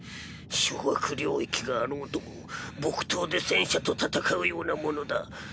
掌握領域があろうとも木刀で戦車と戦うようなものだ。